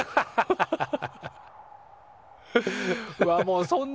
ハハハハ。